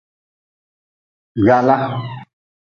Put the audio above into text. Gwala.